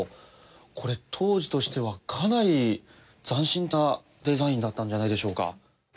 これ、当時としてはかなり斬新なデザインだったんじゃないでしょうか。